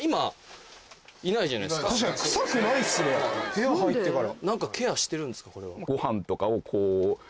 部屋入ってから。